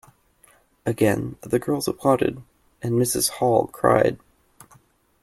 Again the girls applauded, and Mrs Hall cried.